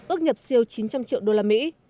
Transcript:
ước nhập siêu chín trăm linh triệu đô la mỹ